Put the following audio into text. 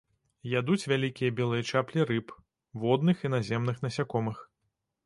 Ядуць вялікія белыя чаплі рыб, водных і наземных насякомых.